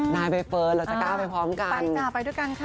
นายใบเฟิร์นเราจะก้าวไปพร้อมกันปัญญาไปด้วยกันค่ะ